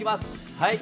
はい！